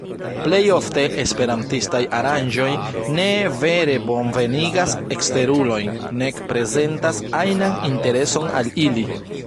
Plej ofte esperantistaj aranĝoj ne vere bonvenigas eksterulojn, nek prezentas ajnan intereson al ili.